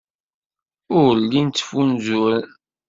Ur llin ttfunzuren.